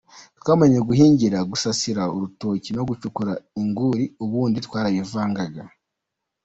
Twamenye guhingira , gusasira urutoki no gucukura inguri, ubundi twarabivangaga.